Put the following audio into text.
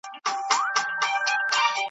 دښي خواڅخه ناست